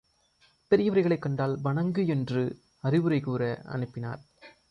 பெரியவர்களைக் கண்டால் வணங்கு என்று அறிவுரை கூறி அனுப்பினார்.